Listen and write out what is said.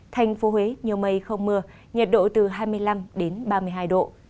thành phố huế nhiều mây không mưa nhiệt độ từ hai mươi năm đến ba mươi hai độ